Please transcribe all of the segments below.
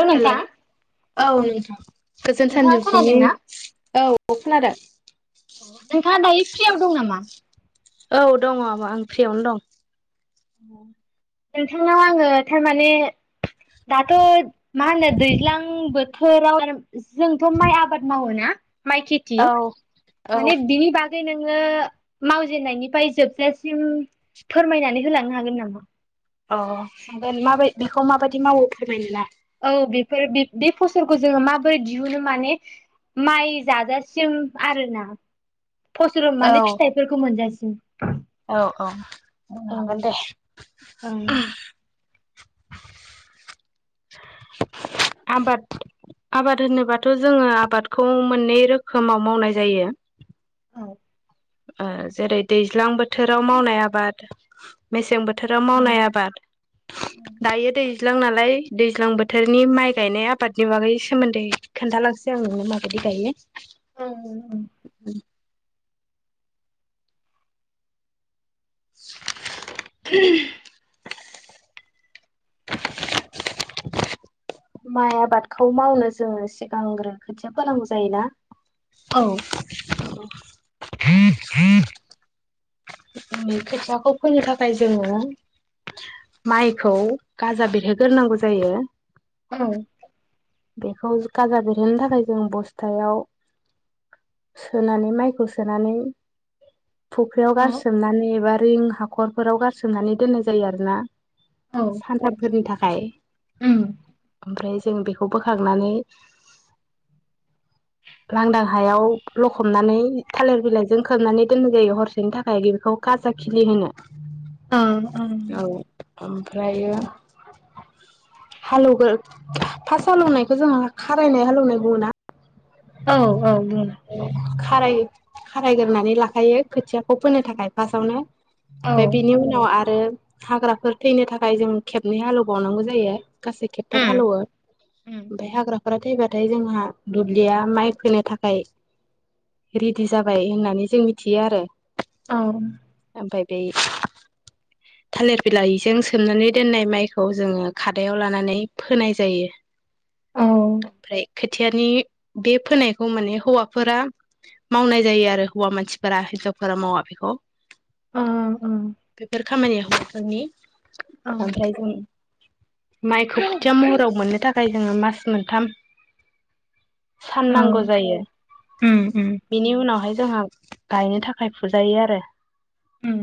हेल' hello नोंथां औ नोंथां गोजोन नोंथाङा सानजौफुनि खोनादोंना औ खोनादों? औ नोंथाङा दायो फ्रियाव दं नामा? औ दङ' आ आं फ्रियावनो दं। नोंथांनाव आङो थारमाने दाथ' मा होनो दैज्लां बोथ फोराव [inaudible] जोंथ' माइ आबाद मावो ना माइ खिथि दं औ औ माने बिनि बाग नोङो मावजेननायनिफ्राय जोबजासिम फोरमायनानै होलांनो हागोन नामा? अ हागोन माबाय बेखौ माबायदि मावो फोरमायनो ना? औ बेफोर बे बे फसलखौ जोङो माबोरै दिहुनो माने माइ जाजासिम आरोना फसल औ माने फिथाइफोरखौ मोनजासि उ औ औ उ हागोन दे औ [inaudible] आबाद आबाद होनोबाथ' जोङो आबादखौ मोननै रोखोमाव मावनाय जायो औ जेरै दैज्लां बोथ बोथोराव मावनाय आबाद मेसें बोथ थोराव औ मावनाय आबाद दायो दै ज्लां नालाय दैज्लां बोथोरनि माइ गायनाय आबादनि बागै सोमोन्दै खोन्थालांसै आं नोंनो माबायदि गायो [inaudible] [unintelligible] माइ आबादखौ मावनो जोङो सिगांग्रो खोथिया फोनांगौ जायोना औ [unintelligible] [unintelligible] खोथियाखौ फोनो थाखाय जोङो माइखौ गाजा बेरहोग्रोनांगौ जायो औ बेखौ गाजा बिरहोनो थाखाय जों बस्थायाव सोनानै माइखौ सोनानै फुख्रियाव औ गारसो नानै एबा रिं हाखरफोराव गारसोमनानै दोननाय जायो आरो ना औ सानथामफोरनि थाखाय खाय उम ओमफ्राय जों बेखौ बोखांनानै लांदां हायाव लखबनानै थालिर बिलाइजों खोबनानै दोननाय जायो हरसेनि थाख खाय बेखौ खाजा खिलि होनो ओ ओं ना औ ओमफ्रायो हालौगो फास्ट हालौवनायखौ जोंहा खारायनाय हालेवनाय बुङोना औ औ बुङो खाराय खारायग्रोनानै लाखायो खोथियाखौ फोनो थाखाय फास्थआवनो औ ओमफाय बिनि उनाव आरो हाग्राफोर थैनो थाखाय जों खेबनै हालेवबावनांगौ जायो गासै खेबथाम उम हालेवो उम ओमफ्राय हाग्रा फोरा थैबाथाय जोंहा दुब्लिया माइ फोनो थाखाय रेडि जाबाय होननानै जों मिथियो आरो औ ओमफाय दै थालिर बिलाइजों सोमनानै दोननाय माइखौ जोङो खादायाव लानानै फोनाय जायो औ ओमफ्राय खोथियानि बे फोनायखौ माने हौवाफोरा मावनाय जायो आरो हौवा मानसिफोरा हिन्जावफोरा मावा बेखौ‌ औ बेेफोर खामानिया हौवाफोरनि औ आमफ्राय जों माइखौ खोथिया महराव मोननो थाखाय जोङो मास मोनथाम सान औ नांगौ जायो उम उम बिनि उनावहाय जोंहा गायनो थाखाय फुजायो आरो उम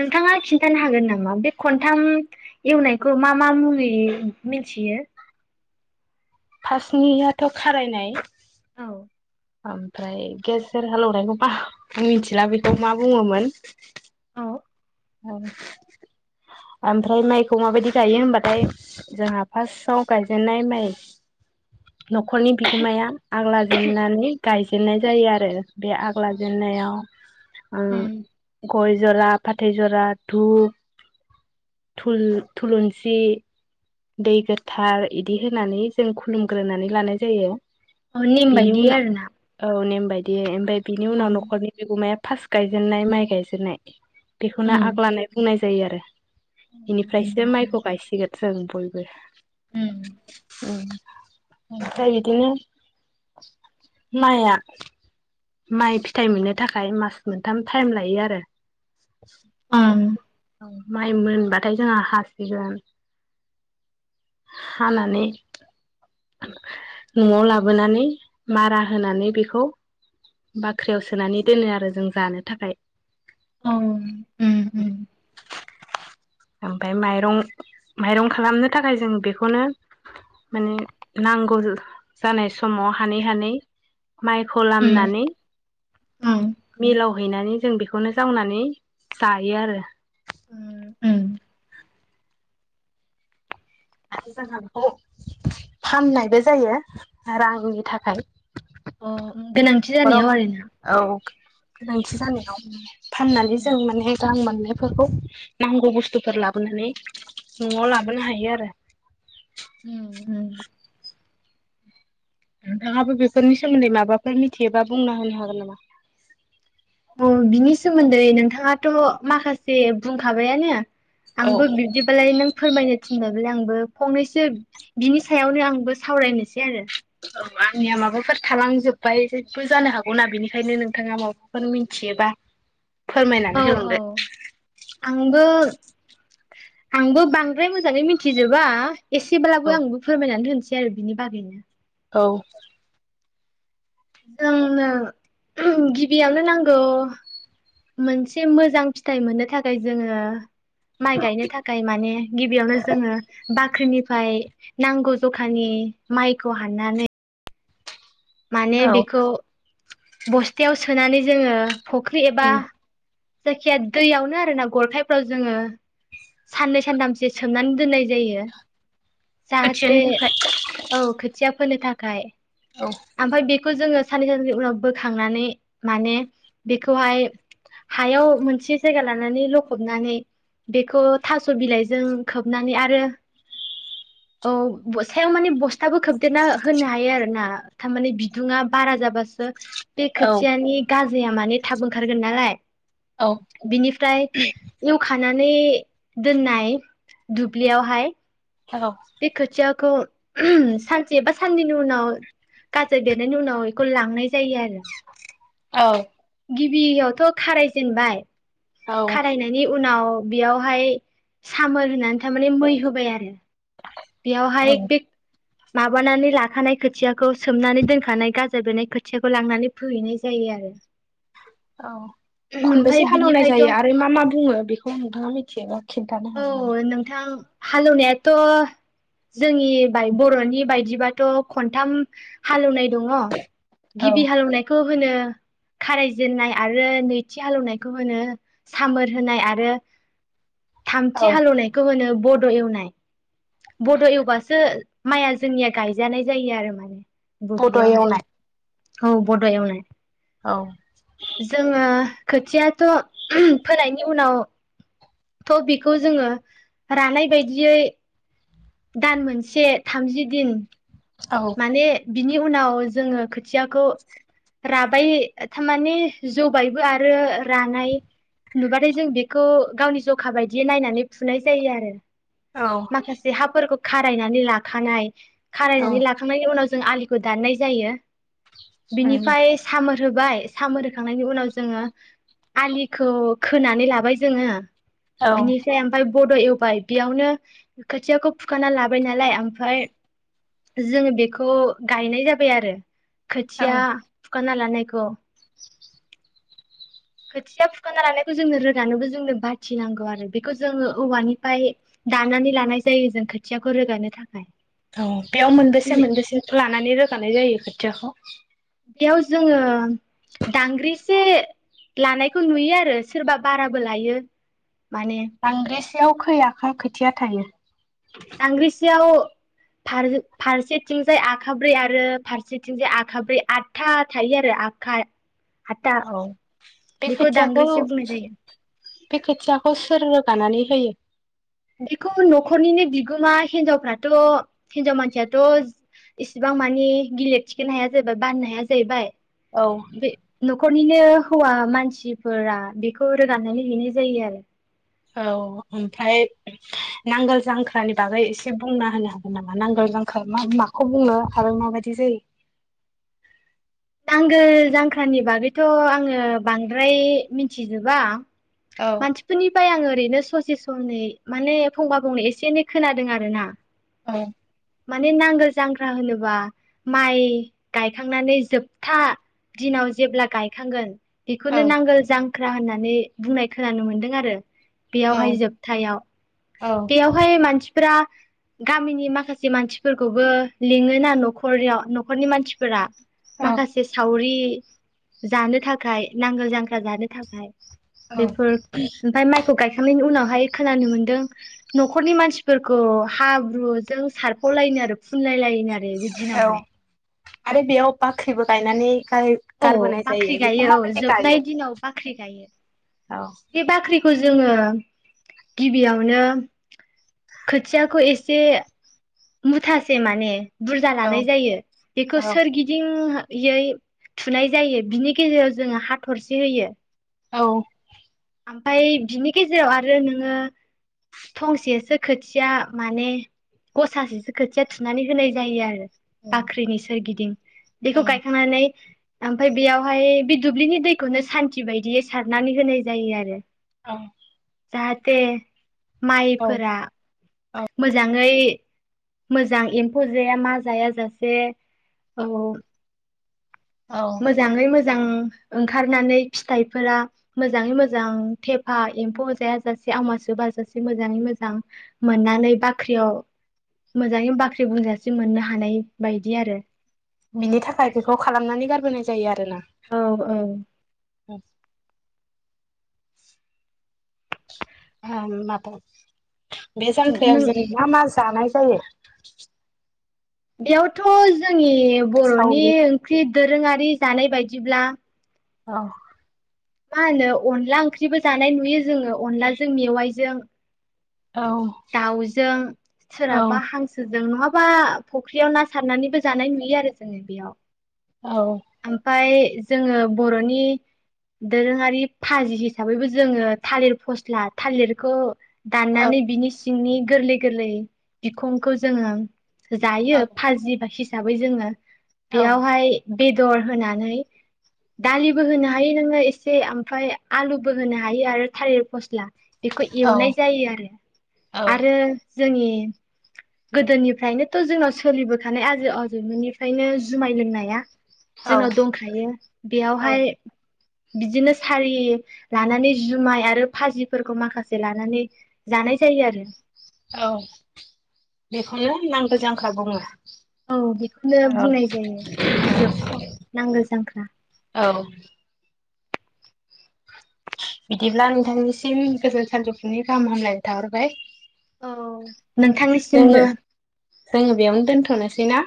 नोंथाङा खिन्थानो हागोन नामा बे खनथाम एवनायखौ मा मा मुङै मिथियो फार्स्टनियाथ' खारायनाय औ ओमफ्राय गेजेर हालौवनायखौ मा मिथिला बेखौ मा बुङोमोन औ औ ओमफ्राय माइ खौ माबायदि गायो होनबाथाय जोंहा फार्स्टआव गायजेननाय माइ न'खरनि बिगोमाया आग लाजेननानै गाय जेननाय जायो आरो। बे आग लाजेननायाव अ उम गइ जला आफाद [unintelligible] थै जरा, धुप, थुल थुलुंनसि दै गोथार इदि होनानै जों खुलुमग्रोनानै लानाय जायो। अ नेम बिनि बायदि आरोना उनाव औ नेम बायदियै ओमफाय बिनि औ उनाव न'खरनि बिगुमाया फास गायजेननाय माइ गायजेननाय बेखौनो उम आग लानाय बुंनाय जायो आरो। बेनिफ्रायसो माइखौ गायसिगोन। [inaudible] बयबो ओम ओं ओमफ्राय बिदिनो माइआ माइ फिथाइ मोननो थाखाय मास मोनथाम टाइम लायो आरो। [inaudible] ओं माइ मोनबाथाय जोंहा हासिगोन। हानानै नवाव लाबोनानै मारा होनानै बेखौ बाख्रियाव सोनानै दोनो आरो जों जानो थाखाय। ओं उम उम ओमफ्राय माइरं माइरं खालामनो थाखाय जों बेखौनो माने नांगौ जानाय समाव हानै हानै माइखौ उम लामनानै ओं मिलाव हैैनानै जों बेखौनो जावनानै जायो आरो। उम उम आरो जोंहा बेखौ फाननायबो जायो रांनि थाखाय। अ गोनांथि न'खराव जानायाव आरोना। [unintelligible] गोनांथि जानायाव फाननानै उम जों माने रां मोननायफोरखौ नांगौ बुस्थुफोर लाबोनानै नवाव लाबोनो हायो आरो। उम उम नोंथाङाबो बेफोरनि सोमोन्दै माबाफोर मिथियोबा बुंना होनो हागोन नामा? अ बिनि सो मोन्दै नोंथाङाथ' माखासे बुंखाबायानो आंबो बिब्दिबालाय नों फोरमायनो थिनदों फ्राय आंबो फंनैसो बिनि सायावनो आंबो सावरायनोसै आरो। औ आंनिया माबाफोर थालांजोबबाय जेबो जानो हागौना बेनिखायनो नोंथाङा माबाफोर मिथियोबा औ फोरमायनानै औ होलांदो आंबो आंबो बांद्राय मोजाङै मिथिजोबा एसेब्लाबो आंबो फोरमायनानै होनसै आरो बिनि बागैनो औ जोंनो गिबियावनो नांगौ मोनसे मोजां फिथाइ मोननो थाखाय जोङो माइ गायनो थाखाय माने गिबियावनो जोङो बा ख्रिनिफ्राय नांगौ जखानि माइखौ हाननानै माने औ बेखौ बस्थायाव सोनानै जोङो फख्रि एबा उम जायखिया दैयावनो आरोना गरखाइफ्राव जोङो साननै सानथामसो सोमनानै दोननाय जायो। खोथियानि जाहाथे थाखाय औ खोथिया फोनो थाखा खाय औ ओमफ्राय बे खौ जोङो साननै [unintelligible] उनाव बोखांनानै माने बेखौहाय हायाव मोनसे जायगा लानानै लखबनानै बेखौ थास' बिलाइजों खोबनानै आरो औ सायाव माने बस्थाबो खोबदेरना होनो हायो आरोना थारमाने बिदुङा बारा जाबासो बे औ खोथियानि गाज्रि जाया माने थाब ओंखारगोन नालाय। औ बिनिफ्राय एवखाना नै दोननाय दुब्लियावहाय बे खोथिया खौ सानसे एबा सानसेनि उनाव गाजा बेरनायनि उनाव बेखौ लांनाय जायो आरो। औ गिबियावथ' खारायजेनबाय औ खारायनायनि उनाव बेयावहाय सामोर होनानै थारमाने मै होबाय आरो। औ बेयावहाय बे माबानानै लाखानाय खोथिया खौ सोमनानै दोनखानाय गा [unintelligible] खोथियाखौ लांनानै फोहैनाय जायो आरो। औ ओमफ्राय खनबेसे हालेवनाय बिनिफ्रायथ' जायो आरो मा मा बुङो बेखौ नोंथाङा मिथियोबा खिन्थानो औ हागोन नामा? नोंथां हालेवनायाथ' जोंनि बाय बर'नि बायदिबाथ' खनथाम हालेवनाय दङ। औ गिबि हालेवनायखौ होनो खारायजेननाय आरो नैथि हालेवनायखौ होनो सामोर होनाय आरो थामथि औ हालेवनायखौ होनो बड' एवनाय बड' एवबासो माइया जोंनिया गायजानाय जायो आरो माने बड' बुब्लियावहाय एवनाय औ बड' एवनोनाय औ जोङो खोथियाथ' फोनायनि उनाव थ' बेखौ जोङो रानाय बायदियै दान मोनसे थामजि दिन औ माने बिनि बिनि उनाव जोङो खोथियाखौ राबाय थारमाने जौबायबो आरो रानाय नुबाथाय जों बेखौ गावनि जखा बायदिय नायनानै फुनाय जायो आरो औ माखासे हाफोरखौ खारायनानै लाखानाय औ खारायनानै ला उनाव जों आलिखौ दाननाय जायो उम बिनिफ्राय सामोन होबाय सामोरोखांनायनि उनाव जोङो आलिखौ खोनानै लाबाय जोङो औ बिनिसाय ओमफ्राय बड' एवबाय बेयावनो खोथियाखौ फुखाना लाबाय नालाय ओमफ्राय जोङो बेखौ गायनाय जाबाय आरो खोथिया औ फुखाना लानाय खौ खोथिया फुखाना लानायखौ जोंनो रोगानोबो जोंनो बाथिनांगौ आरो बेखौ जोङो औवानिफ्राय दानानै लानाय जायो जों खोथियाखौ रोगानो थाखाय औ बेयाव मोनबेसे मोनबेसे लानानै रोगानाय जायो खोथियाखौ बेयाव जोङो दांग्रि एसे लानायखौ नुयो आरो सोरबा बाराबो लायो माने बांग्रेस सेयाव खै आखा खोथिया थायो दांगांग्रिसेयाव फार-फारसेथिंजाय आखाब्रै आरो फारसेथिंजाय आखाब्रै आठथा थायो आरो आखा आठथा औ बे बेखौ खोथियाखौ दांग्रिसे बुंनाय जायो बे खोथियाखौ सोर रोगानानै होयो बेखौ न'खरनिनो बिगोमा हिनजावफ्राथ' हिनजाव मानसियाथ' इसिबां माने गिलिर थिखोनो हाया जाहैबाय बाननो हाया जाहैबाय औ बे न न'खरनिनो हौवा मानसिफोरा बेखौ रोगाननानै हैनाय जायो आरो औ ओमफ्राय नांगोल जांख्रानि बागै एसे बुंना होनो हागोन नामा? नांगोल जांख्रा माखौ बुंनो हाबाय माबायदि जायो? नांगोल जांख्रानि बागैथ' आङो बांद्राय मिथिजोबा। औ मानसिफोरनिफ्राय आं ओरैनो ससे सनै माने फंबा फंनै एसे एनै खोनादों आरोना औ। माने नांगोल जांख्रा होनोबा माइ गायखांनानै जोब था दिनाव जेब्ला गायखांगोन बेखौनो औ नांगोल जां ख्रा होननानै बुंनाय खोनानो मोन्दों आरो। बेयावहाय औ जोबथायाव औ बेयावहाय मानसि फोर गामिनि माखासे मानसिफोरखौबो लिङोना न'खरयाव न'खरनि मानसिफोरा। औ माखासे सावरि जानो थाखाय नांगोल जांख्रा जानो थाखाय औ बेफोर ओमफ्राय माइ खौ गायखांनायनि उनावहाय खोनानो मोन्दों न'खरनि मानसिफोरखौ हाब्रुजों सारफ'लायोनो आरो फुनलाय लायोनो आरो। बि दिनावहाय। औ आरो बेयाव बाख्रिबो गायनानै औ गारबोनाय जायो बाख्रि बेखौ गायो औ माबायदि गायो जोबनाय दिनाव बाख्रि गायो औ बे बाख्रिखौ जों जोङो गिबियावनो खोथियाखौ एसे मुथासे माने बुरजा औ लानाय जायो बेखौ औ सोरगिदिं यै थुनाय जायो बिनि गेजेराव जोङो हाथरसे होयो। औ। ओमफाय बिनि गेजेराव आरो नोङो थंसेसो खोथिया माने गसासेसो खोथिया थुनानै होनाय जायो आरो। बाख्रिनि सोरगिदिं बेखौ औ गायखांनानै ओमफाय बेयावहाय बे दुब्लिनि दैखौनो सान्थि बायदियै सारनानै होनाय जा जायो आरो। औ। जाहाथे औ माइफोरा मोजाङै मोजां एम्फौ जाया मा जायाजासे औ-औ। औ मोजाङै मोजां ओंखारनानै फिथाइफोरा मोजाङै मोजां थेफा एम्फौ जायाजासे आवमा सोबाजासे मोजाङै मोजां मोननानै बाख्रियाव मोजाङै बाख्रि बुंजासे मोननो हानाय बायदि आरो। बिनि थाखाय बेखौ खालामनानै गारबोनाय जायो आरो। ना औ औ ह माथ बे जांख्रायाव नों जों मा-मा जा जानाय जायो। बेयावथ' जोंनि बर'नि सावरि ओंख्रि दोरोङारि जानाय बायदिब्ला अ मा होनो अनला ओंख्रिबो जानाय नुयो। जोङो अनलाजों मेवाइजों औ दाउजों औ सोरहाबा हांसो जों नङाबा फख्रियाव ना सारनानैबो जानाय नुयो आरो जोङो बेयाव। औ ओमफाय जोङो बर'नि दोरोङारि भाजि हिसाबैबो जोङो थालिर फस्ला थालिरखौ दाननानै बिनि सिंनि गोरलै गोरलै बिखंखो जोङो जायो भाजि बायसिस हिसाबै जोङो औ बियावहाय बेदर होनानै दालिबो होनो हायो नोङो एसे ओमफ्राय आलुबो होनो हायो आरो थालिर फस्ला। बेखौ एवनाय जायो आरो आरो जोंनि गोदोनिफ्रायनोथ' जोंनाव सोलिबोखानाय आजै आजौमोननिफ्रायनो जुमाय लोंनाया जोंनाव औ दंखायो बेयावहाय बिदिनो सारि लानानै जुमाय आरो भाजिफोरखौ माखासे लानानै जानाय जायो आरो। औ बेखौनो नांगोल जांख्रा बुङो। औ बेखौनो औ बुंनाय जायो जोबथा नांगोल जांख्रा। औ बिदिब्ला नोंथांनिसिम गोजोन सानजौफुनि गाहाम हामलायनाय थाहरबाय। औ जोङो नोंथांनिसिमबो। जोङो बेयावनो दोनथ'नोसै ना?